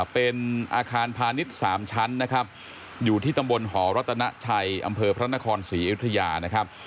เป็นอาคารพาณิชย์๓ชั้นนะครับอยู่ที่ตำบลหอรัตนาชัยอำเภอพระนครศรีอยุธยานะครับ